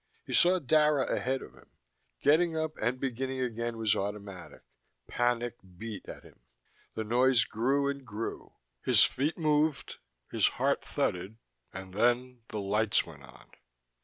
He saw Dara ahead of him. Getting up and beginning again was automatic: panic beat at him. The noise grew and grew. His feet moved, his heart thudded.... And then the lights went on.